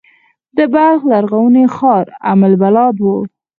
د بلخ لرغونی ښار ام البلاد و